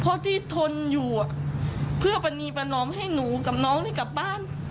เพราะที่ทนอยู่เพื่อปรณีประนอมให้หนูกับน้องได้กลับบ้าน